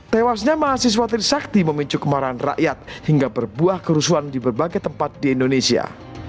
tewasnya mahasiswa trisakti memicu kemarahan rakyat hingga berbuah kerusuhan di berbagai tempat di indonesia